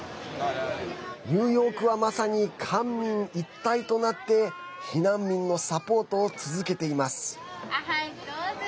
ニューヨークはまさに官民一体となって避難民のサポートを続けています。